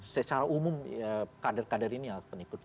secara umum kader kader ini yang akan ikut